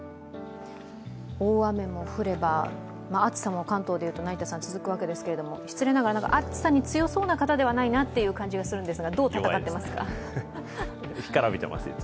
大雨も降れば、暑さも関東で言えば続くわけですが、失礼ながら暑さに強そうな方ではないなという感じがするんですがどう闘ってますか？